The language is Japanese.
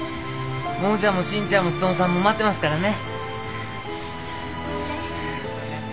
桃ちゃんも信ちゃんも努さんも待ってますからね。